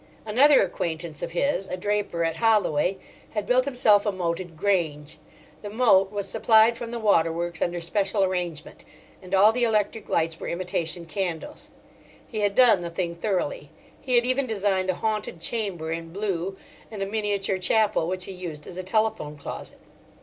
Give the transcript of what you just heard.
Another acquaintance of his, a draper at Holloway, had built himself a moated grange. The moat was supplied from the water works under special arrangement, and all the electric lights were imitation candles. He had done the thing thoroughly. He had even designed a haunted chamber in blue, and a miniature chapel, which he used as a telephone closet.